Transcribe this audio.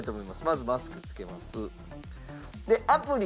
まずマスクつけます。